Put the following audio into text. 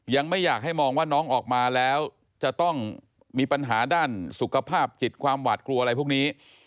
ยังไม่อยากให้มองว่าน้องออกมาแล้วจะต้องมีปัญหาด้านสุขภาพจิตความหวาดกลัวอะไรพวกนี้